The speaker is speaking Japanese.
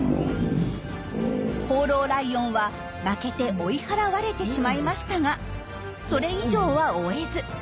放浪ライオンは負けて追い払われてしまいましたがそれ以上は追えず。